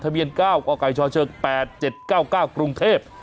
ทะเบียนเก้ากชเชิงแปดเจ็ดเก้าเก้ากรุงเทพฯ